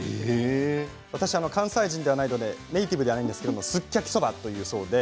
私は関西人ではないのでネイティブではないんですけれどもすっきゃきそばと言うそうです。